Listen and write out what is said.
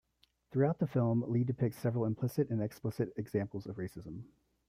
Throughout the film, Lee depicts several implicit and explicit examples of racism.